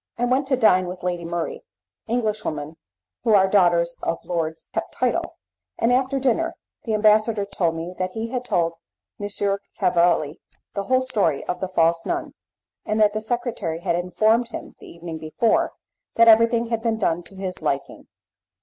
I went to dine with Lady Murray (English women who are daughters of lords keep the title), and after dinner the ambassador told me that he had told M. Cavalli the whole story of the false nun, and that the secretary had informed him, the evening before, that everything had been done to his liking.